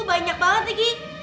banyak banget ya ghi